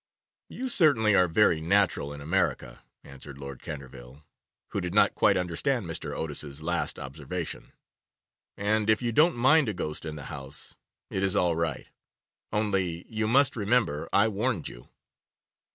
'You are certainly very natural in America,' answered Lord Canterville, who did not quite understand Mr. Otis's last observation, 'and if you don't mind a ghost in the house, it is all right. Only you must remember I warned you.